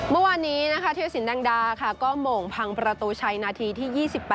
เมื่อวานนี้นะคะเทียสินดังดาค่ะก็โหม่งพังประตูชัยนาทีที่๒๘